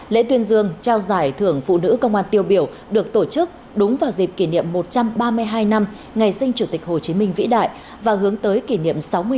lễ tuyên dương trao giải thưởng phụ nữ công an tiêu biểu được tổ chức đúng vào dịp kỷ niệm một trăm ba mươi hai năm ngày sinh chủ tịch hồ chí minh vĩ đại và hướng tới kỷ niệm sáu mươi năm